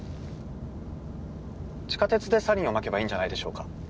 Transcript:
地下鉄でサリンをまけばいいんじゃないでしょうか？